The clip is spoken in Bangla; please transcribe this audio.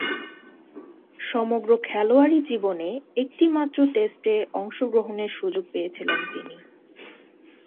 সমগ্র খেলোয়াড়ী জীবনে একটিমাত্র টেস্টে অংশগ্রহণের সুযোগ পেয়েছিলেন তিনি।